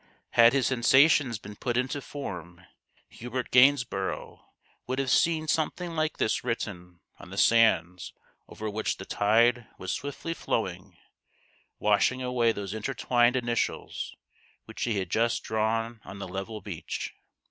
Had his sensations been put into form Hubert Gainsborough would have seen some thing like this written on the sands over which the tide was swiftly flowing washing away those intertwined initials which he had just drawn on the level beach.